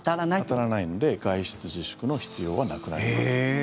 当たらないんで外出自粛の必要はなくなります。